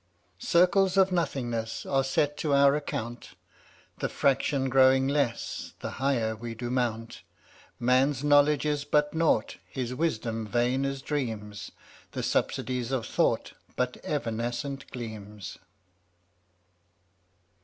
$3 Circles of nothingness Are set to our account, The fraction growing less The higher we do mount. Man's knowledge is but nought, His wisdom vain as dreams, The subsidies of thought But evanescent gleams.